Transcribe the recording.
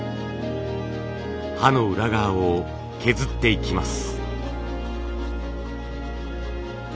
刃の裏側を削っていきます。